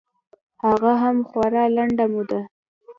هغه هم خورا لنډه موده.